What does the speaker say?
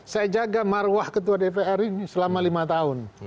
saya jaga marwah ketua dpr ini selama lima tahun